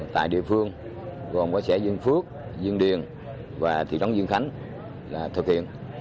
tại địa phương gồm có xã duyên phước duyên điền và thị trấn duyên khánh là thực hiện